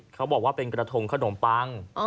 เขาบอกว่าเป็นกระทงขนมปัง